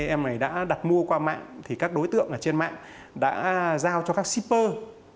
em này đã đặt mua qua mạng thì các đối tượng ở trên mạng đã giao cho các shipper